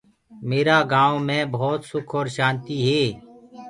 ميرآ گائونٚ مي ڀوت سُک اور شآنتي هي۔